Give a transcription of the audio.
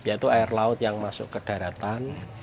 yaitu air laut yang masuk ke daratan